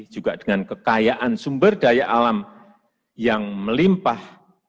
juga dengan kekayaan sumber daya alam yang melimpah